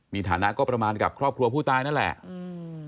มีฐานะก็ประมาณกับครอบครัวผู้ตายนั่นแหละอืม